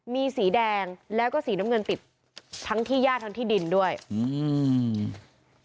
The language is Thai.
มีสีแดงแล้วก็สีน้ำเงินติดทั้งที่ย่าทั้งที่ดินด้วยอืม